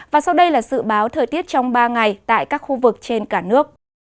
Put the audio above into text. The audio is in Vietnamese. và sau đây là dự báo thời tiết trong ba ngày tại các khu vực trên cả nước